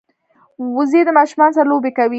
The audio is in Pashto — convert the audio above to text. وزې د ماشومانو سره لوبې کوي